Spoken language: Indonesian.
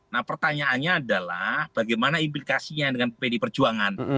nah pertanyaannya adalah bagaimana implikasinya dengan pdi perjuangan